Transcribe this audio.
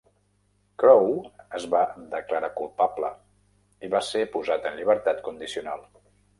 Crowe es va declarar culpable i va ser posat en llibertat condicional.